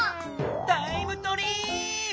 タイムトリーップ！